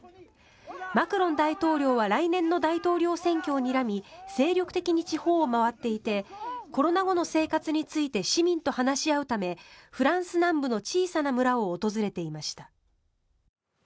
マクロン大統領は来年の大統領選挙をにらみ勢力的に地方を回っていてコロナ後の生活について市民と話し合うためフランス南部の小さな村を訪れていました。